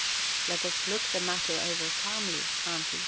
"Let us look the matter over calmly, Aunty."